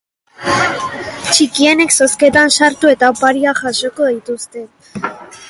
Txikienek zozketan sartu eta opariak jasoko dituzte.